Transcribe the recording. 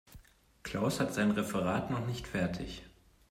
Klaus hat sein Referat noch nicht fertig.